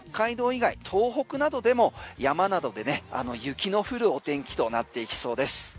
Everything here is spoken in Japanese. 以外東北などでも、山などで雪の降るお天気となっていきそうです。